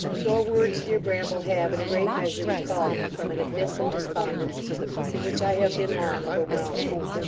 Your words, dear Bramble, have in a great measure recalled me from an abyss of despondence, in which I have been long overwhelmed.